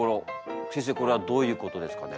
先生これはどういうことですかね？